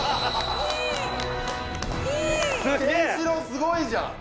すごいじゃん！